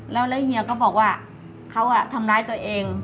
แล้วเฮียก็บอกว่าเขาทำร้ายตัวเอง